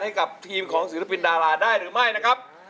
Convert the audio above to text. ให้กับทีมของศิลปินดาราได้หรือไม่นะครับ